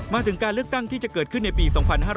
มาถึงการเลือกตั้งที่จะเกิดขึ้นในปี๒๕๕๙